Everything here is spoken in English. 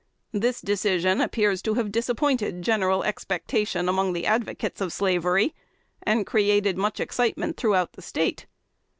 This decision appears to have disappointed general expectation among the advocates of slavery, and created much excitement throughout the State.